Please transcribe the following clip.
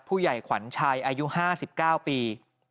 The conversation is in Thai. ผู้ใหญ่ขวัญชัยอายุ๕๙ปี